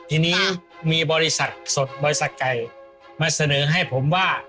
ทีนี้มีบริษัทสดบริษัทไก่มาเสนอให้ผมว่า